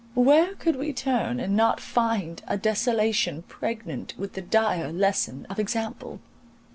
Where could we turn, and not find a desolation pregnant with the dire lesson of example?